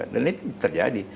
dan ini terjadi